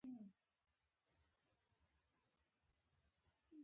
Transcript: د یوې سیمې یوې قبیلې مال نه دی.